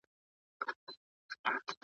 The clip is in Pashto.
ته په سپين غر کې د بزرگې څوکې